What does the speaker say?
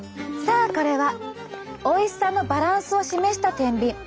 さあこれはおいしさのバランスを示した天秤。